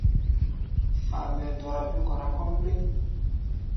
Fambɛɛ dɔra bé-kɔra kɔ́ʼm lɛ́ŋ.